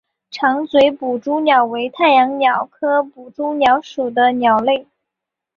长嘴捕蛛鸟为太阳鸟科捕蛛鸟属的鸟类。